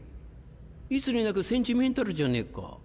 いつになくセンチメンタルじゃねえか。